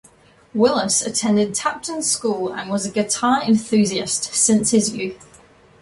Willis attended Tapton School and was a guitar enthusiast since his youth.